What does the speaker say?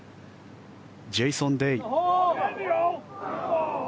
ジェイソン・デイ。